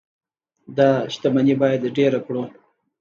دا شتمني باید ډیره کړو.